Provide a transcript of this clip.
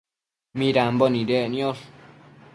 midambo nidec niosh ?